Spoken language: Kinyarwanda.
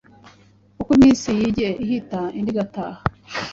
Uko iminsi yagiye ihita indi igataha,